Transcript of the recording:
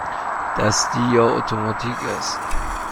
دستی یا اتوماتیک است؟